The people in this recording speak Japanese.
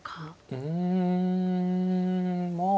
うんまあ